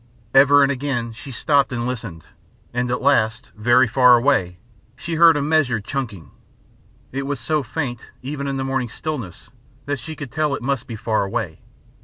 Ever and again she stopped and listened, and at last, very far away, she heard a measured chinking. It was so faint even in the morning stillness that she could tell it must be far away.